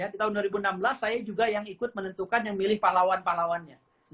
di tahun dua ribu enam belas saya juga yang ikut menentukan yang milih pahlawan pahlawannya